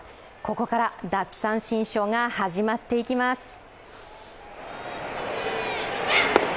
ここから奪三振ショーが始まっていきます。